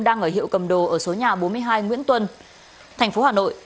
đang ở hiệu cầm đồ ở số nhà bốn mươi hai nguyễn tuân thành phố hà nội